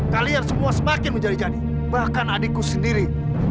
kalian semua semakin menjadi jadi bahkan adikku sendiri